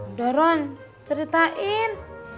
udah ron ceritain